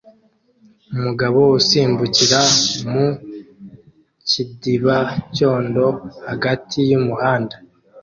umugabo usimbukira mu kidiba cyondo hagati yumuhanda